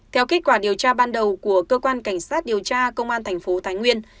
theo kết quả điều tra ban đầu của cơ quan cảnh sát điều tra công an thành phố thái nguyên